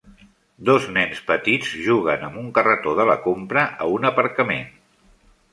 Dos nens petits juguen amb un carretó de la compra a un aparcament.